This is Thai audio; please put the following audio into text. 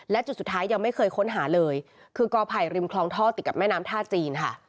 และจุดสุดท้ายยังไม่เคยค้นหาเลยคือกอไผ่ริมคลองท่อติดกับแม่น้ำท่าจีนค่ะ